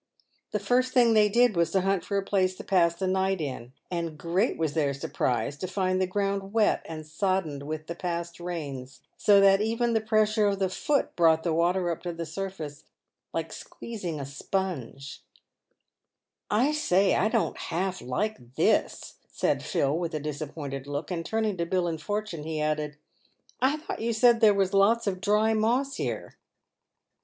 The first thing th^y did was to hunt for a place to pass the night in, and great was their surprise to find the ground wet and soddened with the past rains, so that even the pressure of the foot brought the water up to the surface like squeez ing a sponge. PAYED WITH GOLD. 67 "I say, I don't half like this," said Phil, with a disappointed look ; and turning to Billy Fortune, he added, " I thought you said there was lots of dry moss here